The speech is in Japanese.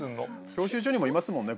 教習所にもいますもんね